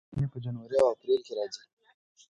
ګڼې یې په جنوري او اپریل کې راځي.